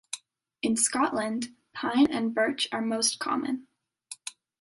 In Scotland, pine and birch are most common.